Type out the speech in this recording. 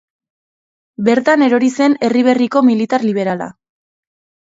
Bertan erori zen Erriberriko militar liberala.